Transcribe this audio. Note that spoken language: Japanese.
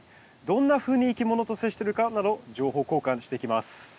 どんなふうにいきものと接してるかなど情報交換していきます。